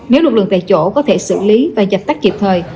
nếu lực lượng tại chỗ có thể xử lý và dập tắt kịp thời